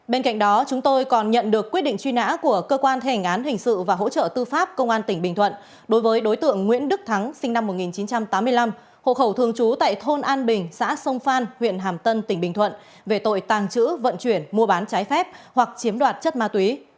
bên cạnh đó chúng tôi còn nhận được quyết định truy nã của cơ quan thèn án hình sự và hỗ trợ tư pháp công an tỉnh bình thuận đối với đối tượng nguyễn đức thắng sinh năm một nghìn chín trăm tám mươi năm hộ khẩu thường trú tại thôn an bình xã sông phan huyện hàm tân tỉnh bình thuận về tội tàng trữ vận chuyển mua bán trái phép hoặc chiếm đoạt chất ma túy